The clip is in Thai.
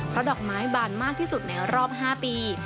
เพราะดอกไม้บานมากที่สุดในรอบ๕ปี